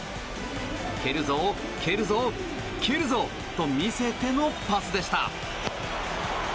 蹴るぞ、蹴るぞ、蹴るぞと見せてのパスでした。